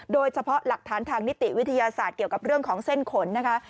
โดยเฉพาะหลักฐานทางนิติวิทยาศาสตร์เกี่ยวกับเรื่องของเส้นขนนะคะ